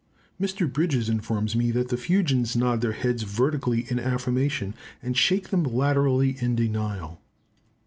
Mr. Bridges informs me that the Fuegians nod their heads vertically in affirmation, and shake them laterally in denial.